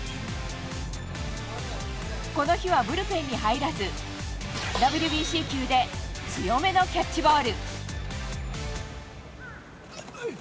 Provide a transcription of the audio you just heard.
この日はブルペンに入らず、ＷＢＣ球で強めのキャッチボール。